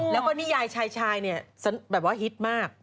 แล้วก็นิยายชายเนี่ยแบบว่าฮิตมาก